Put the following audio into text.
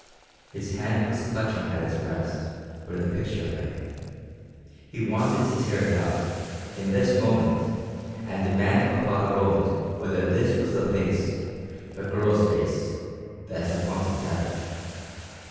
His hand was clutching at his breast, where the picture lay. He wanted to tear it out, in this moment, and demand of Father Roland whether this was the face the girl's face that had haunted Tavish.